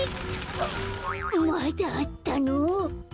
まだあったの？